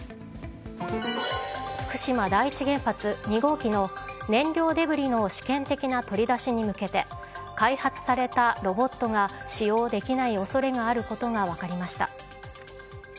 福島第一原発２号機の燃料デブリの試験的な取り出しに向けて開発されたロボットが使用できない恐れがあることが分かりました。